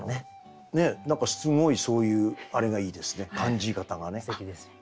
何かすごいそういうあれがいいですね。